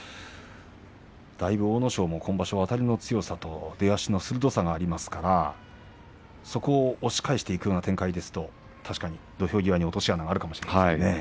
だいぶを阿武咲もあたりの強さと出足の強さが今場所ありますからそこを押し返していく展開ですと確かに土俵際、落とし穴があるかもしれませんね。